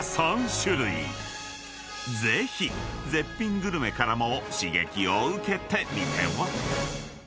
［ぜひ絶品グルメからも刺激を受けてみては？］